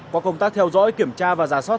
qua công tác theo dõi kiểm tra và giả soát